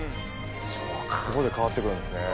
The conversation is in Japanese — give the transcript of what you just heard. そこで変わって来るんですね。